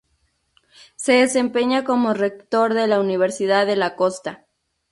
Se desempeña como rector de la Universidad de la Costa.